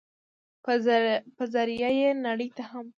په ذريعه ئې نړۍ ته هم